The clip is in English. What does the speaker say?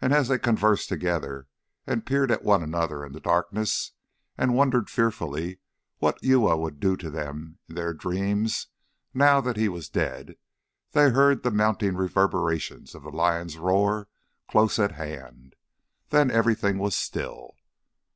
And as they conversed together, and peered at one another in the darkness, and wondered fearfully what Uya would do to them in their dreams now that he was dead, they heard the mounting reverberations of the lion's roar close at hand. Then everything was still.